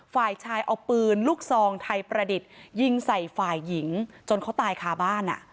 ฝ่ายชายเอาปืนลูกซองไทยประดิษฐ์ยิงใส่ฝ่ายหญิงจนเขาตายคาบ้าน